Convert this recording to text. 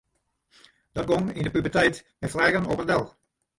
Dat gong yn de puberteit mei fleagen op en del.